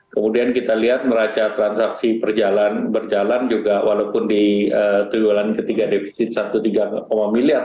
kemudian kita lihat neraca transaksi berjalan juga walaupun di tujuan ketiga defisit satu tiga miliar